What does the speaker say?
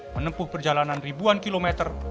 menempuh perjalanan ribuan kilometer